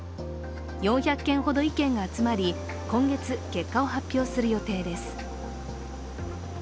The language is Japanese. ４００件ほど意見が集まり、今月、結果を発表する予定です。